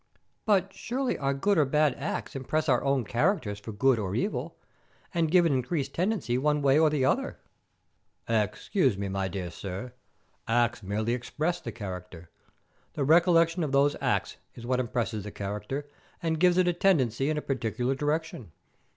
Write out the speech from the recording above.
"But surely our good or bad acts impress our own characters for good or evil, and give an increased tendency one way or the other." "Excuse me, my dear sir. Acts merely express the character. The recollection of those acts is what impresses the character, and gives it a tendency in a particular direction.